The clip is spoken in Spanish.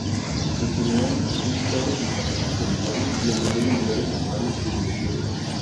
En general están situados en parajes solitarios y a menudo en lugares naturales privilegiados.